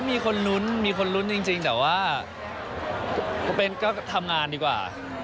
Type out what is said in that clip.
มีคนลุ้นมีคนลุ้นจริงแต่ว่าเป็นก็ทำงานดีกว่า